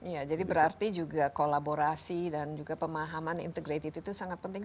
iya jadi berarti juga kolaborasi dan juga pemahaman integrated itu sangat penting